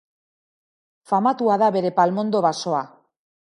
Famatua da bere palmondo basoa.